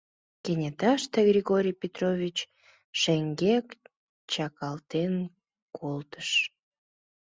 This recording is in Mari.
Кенеташте Григорий Петрович шеҥгек чакалтен колтыш: